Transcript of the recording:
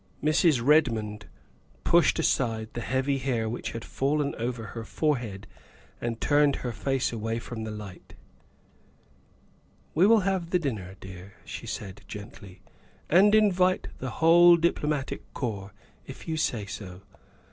Mrs. Redmond pushed aside the heavy hair which had fallen over her forehead and turned her face away from the light. 108 THE WIFE OF " We will have the dinner, dear," she said gently, " and invite the whole Diplomatic Corps if you say so.